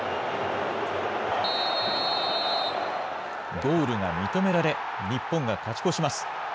ゴールが認められ、日本が勝ち越します。